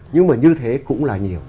nhưng mà như thế cũng là nhiều